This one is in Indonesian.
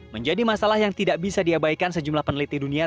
menjadi masalah yang tidak bisa diabaikan sejumlah peneliti dunia